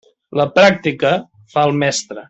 La pràctica fa al mestre.